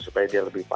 supaya dia lebih paham